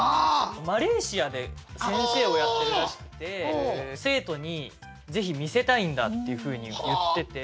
マレーシアで先生をやってるらしくて生徒にぜひ見せたいんだっていうふうに言ってて。